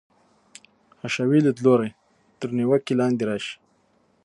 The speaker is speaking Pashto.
حشوي لیدلوری تر نیوکې لاندې راشي.